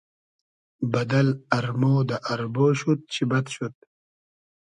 بئدئل ارمۉ دۂ اربۉ شود چی بئد شود